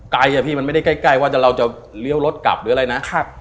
อะพี่มันไม่ได้ใกล้ว่าเราจะเลี้ยวรถกลับหรืออะไรนะครับ